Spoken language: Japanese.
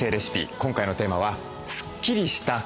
今回のテーマは「スッキリした暮らし」です。